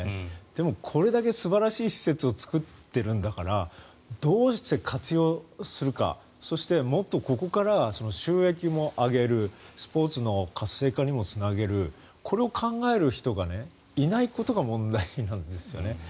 でもこれだけ素晴らしい施設を作っているんだからどうして活用するかそして、もっとここから収益も上げるスポーツの活性化にもつなげるこれを考える人がいないことが問題なんですよね。